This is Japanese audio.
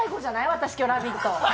私今日「ラヴィット！」。